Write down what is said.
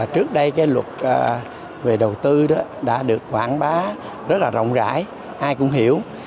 trước đây cái luật về đầu tư đó đã được quảng bá rất là rộng rãi ai cũng hiểu